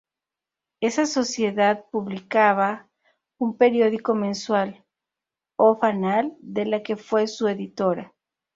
Esa sociedad publicaba un periódico mensual, ""O Fanal"", de la que fue su editora.